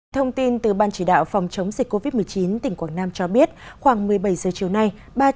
thông tin từ ban chỉ đạo phòng chống dịch covid một mươi chín tỉnh quảng nam cho biết khoảng một mươi bảy giờ chiều nay